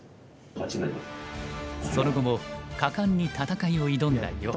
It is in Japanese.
その後も果敢に戦いを挑んだ余。